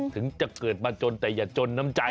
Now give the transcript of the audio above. ถึงจะเกิดมาจนแต่อย่าจนน้ำใจ